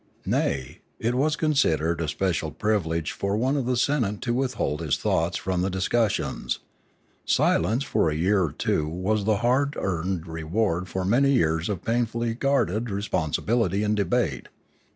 Nay, it was considered a special privilege for one of the senate to withhold his thoughts from the discussions; silence for a year or two was the hard earned reward for years of painfully guarded responsibility in debate.